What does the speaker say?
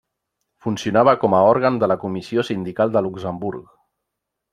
Funcionava com a òrgan de la Comissió Sindical de Luxemburg.